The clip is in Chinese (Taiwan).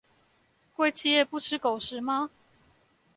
貴企業不吃狗食嗎？